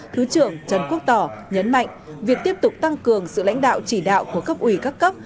thứ trưởng trần quốc tỏ nhấn mạnh việc tiếp tục tăng cường sự lãnh đạo chỉ đạo của cấp ủy các cấp